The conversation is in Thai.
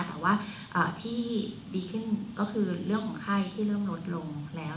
แต่ว่าที่ดีขึ้นก็คือเรื่องของไข้ที่เริ่มลดลงแล้ว